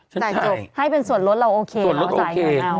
จ่ายจบ๑๙๑๘ใบให้ส่วนลดเราโอเค